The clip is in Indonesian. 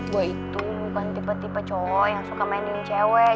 boy itu bukan tipe tipe cowok yang suka mending cewek